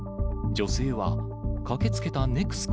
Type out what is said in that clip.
女性は駆けつけたネクスコ